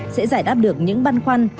sẽ giải đáp được những băn khoăn